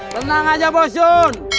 tenang aja bos jon